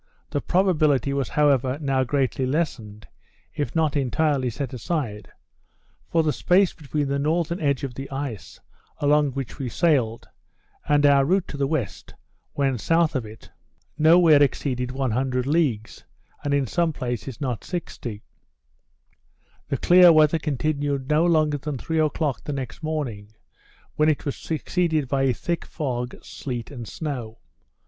The probability was however now greatly lessened, if not entirely set aside; for the space between the northern edge of the ice, along which we sailed, and our route to the west, when south of it, no where exceeded 100 leagues, and in some places not 60. The clear weather continued no longer than three o'clock the next morning, when it was succeeded by a thick fog, sleet, and snow.